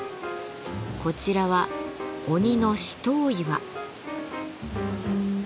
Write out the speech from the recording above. こちらは「鬼の試刀岩」。